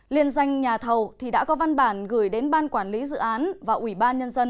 liên danh nhà thầu đã có văn bản gửi đến ban quản lý dự án và ủy ban nhân dân